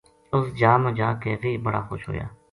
اُس جا ما جا کے ویہ بڑا خوش ہویا